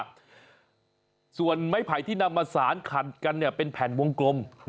กลับเข้ามาส่วนไม้ไผ่ที่นำมาศาลขัดกันเนี่ยเป็นแผ่นวงกลม